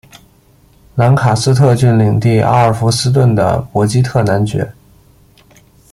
兰卡斯特郡领地阿尔弗斯顿的伯基特男爵。